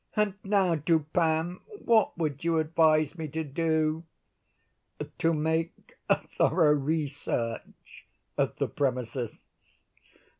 "And now, Dupin, what would you advise me to do?" "To make a thorough re search of the premises."